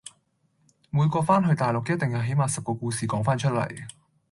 每個番去大陸一定有起碼十個故事講番出嚟